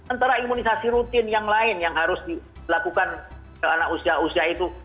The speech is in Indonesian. antara imunisasi rutin yang lain yang harus dilakukan ke anak usia usia itu